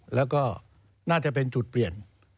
แล้วก็น่าจะเป็นจุดเปลี่ยน